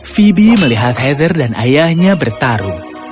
phoebe melihat heather dan ayahnya bertarung